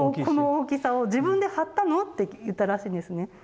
「この大きさを自分で張ったの？」って言ったらしいんですね。